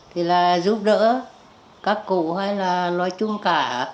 thì là giúp đỡ các cụ hay là nói chung cả